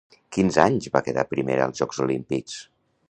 Quins anys va quedar primera als Jocs Olímpics?